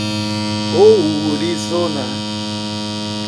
Ourizona